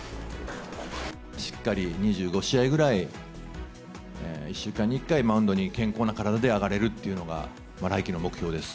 しっかり２５試合ぐらい、１週間に１回、マウンドに健康な体で上がれるっていうのが、来季の目標です。